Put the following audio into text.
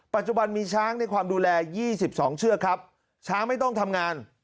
ปัจจุบันมีช้างในความดูแล๒๒เชือกครับช้างไม่ต้องทำงาน